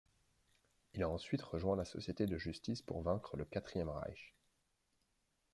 Il a ensuite rejoint la Société de justice pour vaincre le Quatrième Reich.